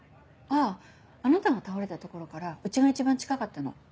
あぁあなたが倒れた所からうちが一番近かったの。